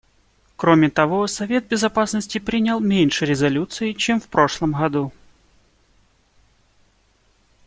Кроме того, Совет Безопасности принял меньше резолюций, чем в прошлом году.